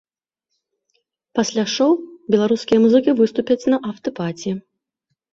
Пасля шоў беларускія музыкі выступяць і на афтэ-паці.